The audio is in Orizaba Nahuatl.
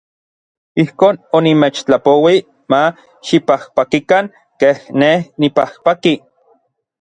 Ijkon onimechtlapouij ma xipajpakikan ken nej nipajpaki.